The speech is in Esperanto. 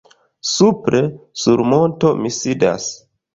Supre, sur monto, mi sidas.